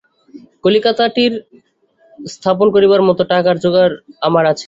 কলিকাতারটি স্থাপন করিবার মত টাকার যোগাড় আমার আছে।